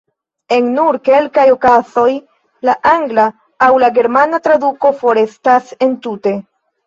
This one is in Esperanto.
En nur kelkaj okazoj la angla aŭ la germana traduko forestas entute.